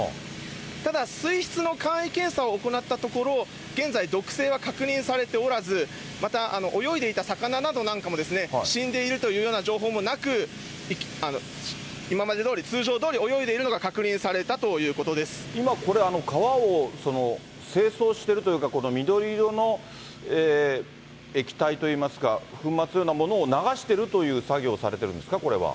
ただ、水質の簡易検査を行ったところ、現在、毒性は確認されておらず、また泳いでいた魚などなんかも死んでいるというような情報もなく、今までどおり、通常どおり泳いでいるのが確認されたということで今、これ、川を清掃してるというか、この緑色の液体といいますか、粉末のようなものを流してるという作業をされてるんですか、これは。